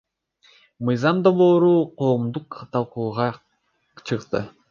Мыйзам долбоору коомдук талкууга чыкты.